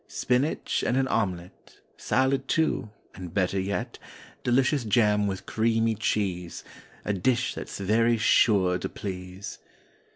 Spinach and an omelette, Salad, too, and better yet Delicious jam with creamy cheese— A dish that's very sure to please!